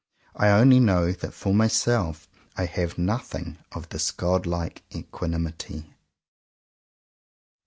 I only know that for myself I have nothing of this god like equanimity.